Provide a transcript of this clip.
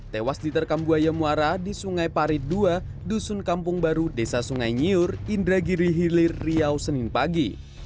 tewas diterkam buaya muara di sungai parit dua dusun kampung baru desa sungai nyur indragiri hilir riau senin pagi